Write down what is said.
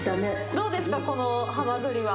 どうですか、このハマグリは。